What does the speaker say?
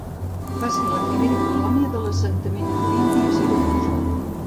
Va ser la primera colònia de l'assentament corinti a Siracusa.